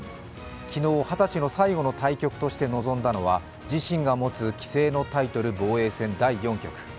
昨日、二十歳の最後の対局として臨んだのは自身が持つ棋聖のタイトル防衛戦第４局。